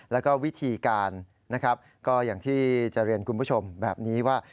แล้วก็วิธีการนะครับก็อย่างที่จะเรียนคุณผู้ชมแบบนี้ว่า